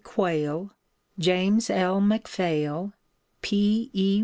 Quail, James L. McPhail, P. E.